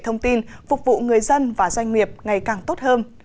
thông tin phục vụ người dân và doanh nghiệp ngày càng tốt hơn